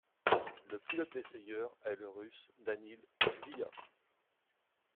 Le pilote-essayeur est le russe Daniil Kvyat.